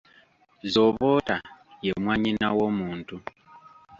Zooboota ye mwannyina w’omuntu.